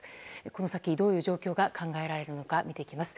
この先、どういう状況が考えられるのか見ていきます。